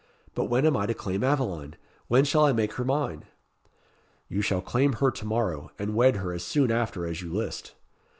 But when am I to claim Aveline? when shall I make her mine?" "You shall claim her to morrow, and wed her as soon after as you list."